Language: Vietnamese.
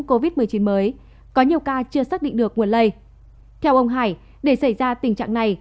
covid một mươi chín mới có nhiều ca chưa xác định được nguồn lây theo ông hải để xảy ra tình trạng này